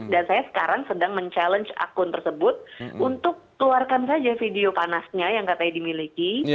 dan saya sekarang sedang mencabar akun tersebut untuk keluarkan saja video panasnya yang katanya dimiliki